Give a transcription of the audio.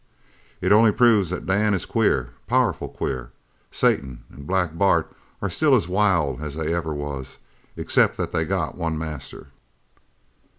"It only proves that Dan is queer powerful queer! Satan an' Black Bart are still as wild as they ever was, except that they got one master.